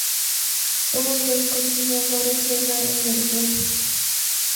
Somos los continuadores legales del club.